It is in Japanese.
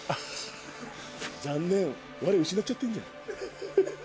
残念われを失っちゃってんじゃん。